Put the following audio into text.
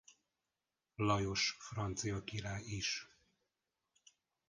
Lajos francia király is.